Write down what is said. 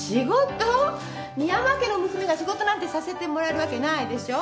深山家の娘が仕事なんてさせてもらえるわけないでしょ。